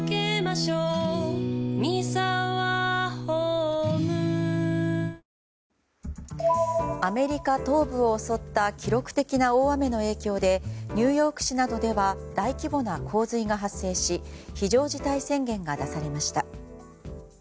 アメリカ・ニューヨークを１００年に一度とされるアメリカ東部を襲った記録的な大雨の影響でニューヨーク市などでは大規模な洪水が発生し非常事態宣言が出されました。